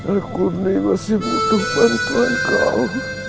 aku ini masih butuh bantuan kau